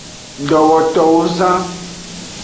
Dowotowozan.